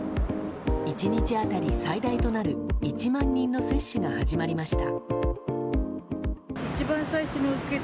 １日当たり最大となる１万人の接種が始まりました。